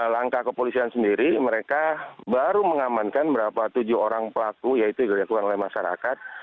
langkah kepolisian sendiri mereka baru mengamankan berapa tujuh orang pelaku yaitu dilakukan oleh masyarakat